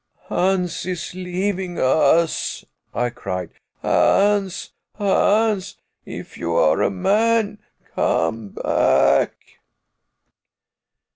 "Hans is leaving us," I cried. "Hans Hans, if you are a man, come back."